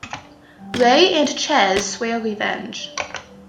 Ray and Chez swear revenge.